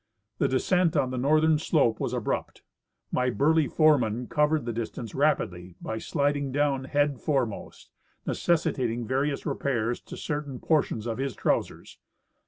The descent on the northern slope was abrupt^ IVIy burly foreman covered the distance rapidly by sliding down head foremost, necessitating various repairs to certain portions of his trousers.